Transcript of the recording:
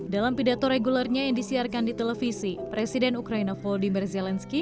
dalam pidato regulernya yang disiarkan di televisi presiden ukraina voldimmer zelensky